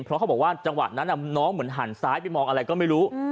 เพราะเขาบอกว่าจังหวะนั้นน้องเหมือนหันซ้ายไปมองอะไรก็ไม่รู้